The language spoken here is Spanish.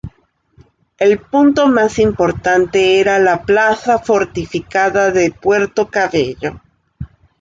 El punto más importante era la plaza fortificada de Puerto Cabello.